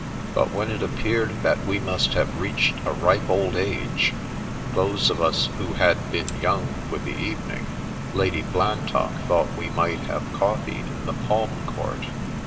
But when it appeared that we must have reached a ripe old age — ^those of us who had been young with the evening — ^Lady Blantock thought we might have coffee in the " palm court."